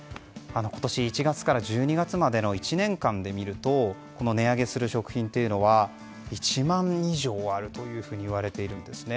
今年１月から１２月までの１年間で見ると値上げする食品は１万以上あるというふうにいわれているんですね。